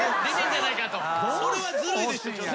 それはずるいですよ。